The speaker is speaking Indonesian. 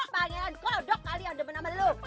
pangeran kodok kali yang temen temen lu